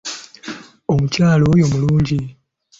Omukyala oyo mulungi.